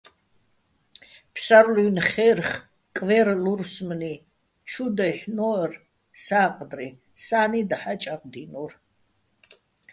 ფსარლუ́ჲნი̆ ხერხ-კვერ-ლუსმრი ჩუ დაჲჰ̦ნო́რ სა́ყდრი, სა́ნი დაჰ̦ა́ ჭაღდინო́რ.